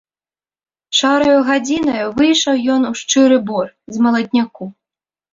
Шараю гадзінаю выйшаў ён у шчыры бор з маладняку.